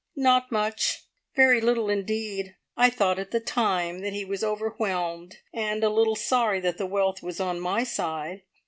"Not much. Very little indeed. I thought at the time that he was overwhelmed, and a little sorry that the wealth was on my side.